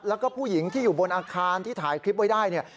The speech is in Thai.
แล้วก็ผู้หญิงที่อยู่บนอาคารที่ถ่ายคลิปไว้ได้เนี่ย